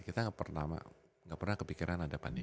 kita nggak pernah kepikiran ada pandemi